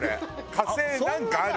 火星なんかある。